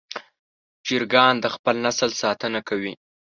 چرګان د خپل نسل ساتنه کوي.